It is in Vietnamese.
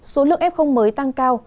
số lượng f mới tăng cao